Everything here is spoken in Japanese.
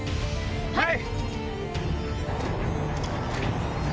はい！